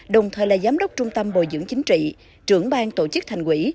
đồng thời là giám đốc trung tâm bồi dưỡng chính trị trưởng ban tổ chức thành quỷ